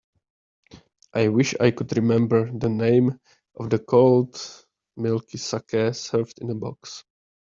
I wish I could remember the name of the cold milky saké served in a box.